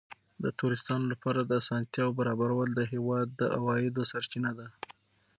د توریستانو لپاره د اسانتیاوو برابرول د هېواد د عوایدو سرچینه ده.